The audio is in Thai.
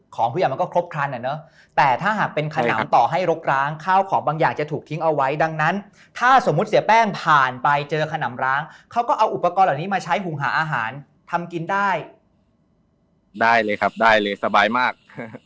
ข้าวของบางอย่างจะถูกทิ้งเอาไว้ดังนั้นถ้าสมมุติเสียแป้งผ่านไปเจอขนำร้างเขาก็เอาอุปกรณ์เหล่านี้มาใช้หุงหาอาหารทำกินได้ได้เลยครับได้เลยสบายมาก